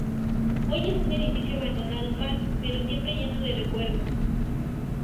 Hoy es una edificio abandonado más, pero siempre lleno de recuerdos...